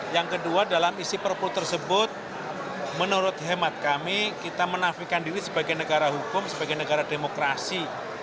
yang kedua dalam isi perpu tersebut menurut hemat kami kita menafikan diri sebagai negara hukum sebagai negara demokrasi